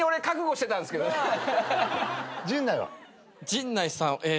陣内さんえ。